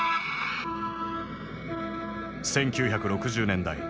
１９６０年代。